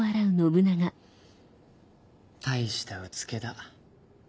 大したうつけだ。